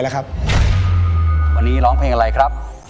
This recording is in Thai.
วันนี้ร้องเพลงอะไรครับ